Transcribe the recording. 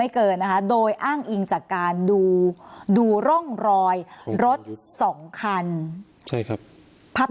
ไม่เกินโดยอ้างอิงจากการดูดูร่องรอยรถ๒คันใช่ครับพับ